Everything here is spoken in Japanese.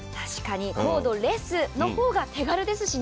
コードレスの方が手軽ですしね。